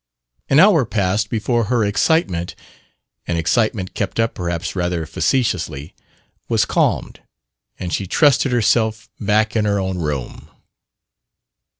An hour passed before her excitement an excitement kept up, perhaps, rather factitiously was calmed, and she trusted herself back in her own room.